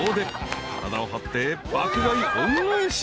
［体を張って爆買い恩返し］